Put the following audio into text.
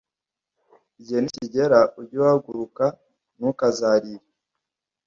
Igihe nikigera, ujye uhaguruka, ntukazarire,